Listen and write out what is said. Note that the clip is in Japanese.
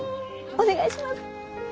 お願いします！